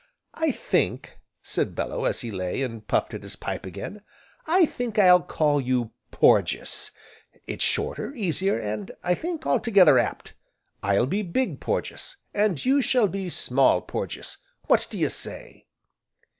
"I think," said Bellew, as he lay, and puffed at his pipe again, "I think I'll call you Porges, it's shorter, easier, and I think, altogether apt; I'll be Big Porges, and you shall be Small Porges, what do you say?"